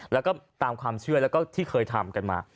แล้วก็ตามความเชื่อแล้วก็ที่เคยทำกันมา